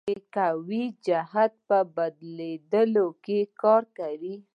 ازاد څرخ د قوې جهت په بدلېدو کې کار کوي.